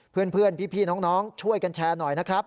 เพื่อนพี่น้องช่วยกันแชร์หน่อยนะครับ